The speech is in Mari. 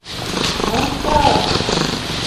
— Машка!